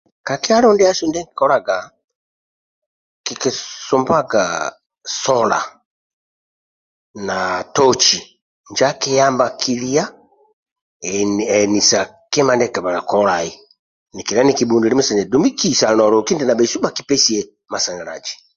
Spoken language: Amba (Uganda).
Ka kyalo ndiasu ndie kikikolaga kikisumbaga sola na toci injo akiyamba kilia enisa kima ndie kikibala lolai nikilia nikibhundili masanalaji dumbi kisa na loki eti nabhesu bhakipesie masanalaji